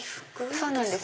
そうなんです。